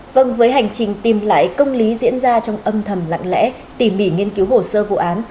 vâng với hành trình tìm lại công lý diễn ra trong âm thầm lặng lẽ tỉ mỉ nghiên cứu hồ sơ vụ án